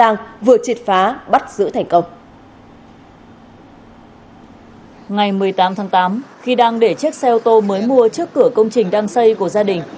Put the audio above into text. ngày một mươi tám tháng tám khi đang để chiếc xe ô tô mới mua trước cửa công trình đang xây của gia đình